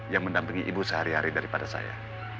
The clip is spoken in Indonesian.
yang mendampingi ibu sehari hari daripada saya